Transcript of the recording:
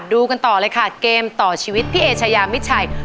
ดูกันต่อเลยค่ะเกมต่อชีวิตพี่เอชายามิดชัย